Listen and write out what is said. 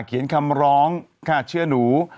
เขียนคำร้องค่ะเชื่อหนู